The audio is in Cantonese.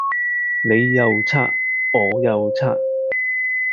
你又刷我又刷